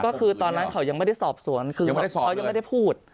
ก็คือตอนนั้นเขายังไม่ได้สอบสวนคือเขายังไม่ได้พูด